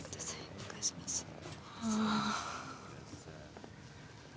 お願いしますああ